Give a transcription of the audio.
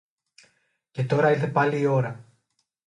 Και τώρα ήλθε πάλι η ώρα